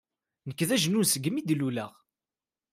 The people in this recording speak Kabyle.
Nekk d ajnun seg mi d-luleɣ.